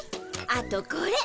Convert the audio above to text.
あとこれ。